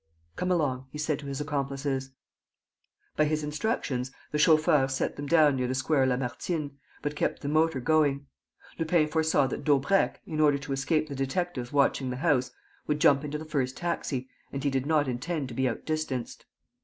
"Come along," he said to his accomplices. By his instructions, the chauffeur set them down near the Square Lamartine, but kept the motor going. Lupin foresaw that Daubrecq, in order to escape the detectives watching the house, would jump into the first taxi; and he did not intend to be outdistanced.